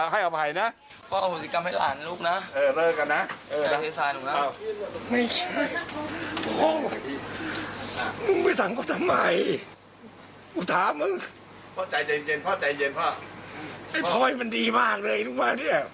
หนูไม่ได้มีเจ็บแต่ละร้ายพ่อเอาหงสกัมให้หนูนะ